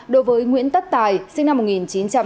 đối với nguyễn tất tài sinh năm một nghìn chín trăm chín mươi sáu